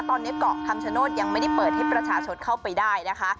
ตอนนี้เกาะคำชโนธยังไม่ได้เปิดให้ประชาชนเข้าไปได้นะคะ